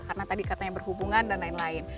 karena tadi katanya berhubungan dan lain lain